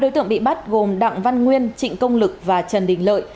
năm đối tượng bị bắt gồm đặng văn nguyên trịnh công lực và trần đình lợi